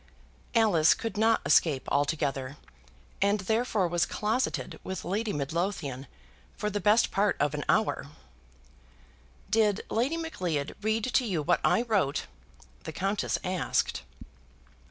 Alice could not escape altogether, and therefore was closeted with Lady Midlothian for the best part of an hour. "Did Lady Macleod read to you what I wrote?" the Countess asked.